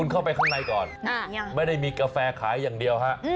เข้าไปข้างในก่อนไม่ได้มีกาแฟขายอย่างเดียวฮะ